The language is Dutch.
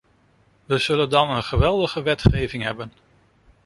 We zullen dan een geweldige wetgeving hebben.